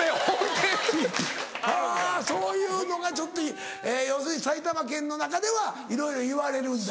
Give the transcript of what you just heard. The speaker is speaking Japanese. はぁそういうのがちょっと要するに埼玉県の中ではいろいろ言われるんだ。